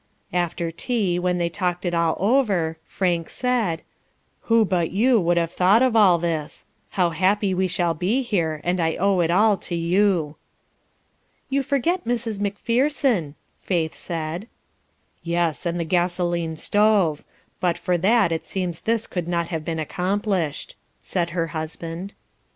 After tea, when they talked it all over, Frank said: "Who but you would have thought of all this? How happy we shall be here, and I owe it all to you!" "You forget Mrs. Macpherson," Faith said. "Yes, and the gasoline stove; but for that it seems this could not have been accomplished," said her husband.